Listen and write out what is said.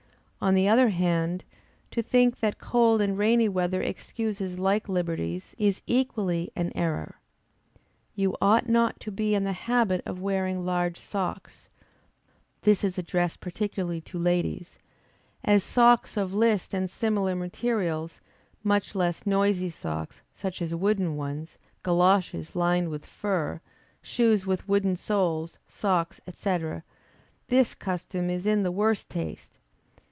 On the other hand, to think that cold and rainy weather excuses like liberties, is equally an error. You ought not to be in the habit of wearing large socks (this is addressed particularly to ladies,) as socks of list and similar materials; much less noisy shoes, such as wooden ones, galoches lined with fur, shoes with wooden soles, socks, &c. this custom is in the worst taste.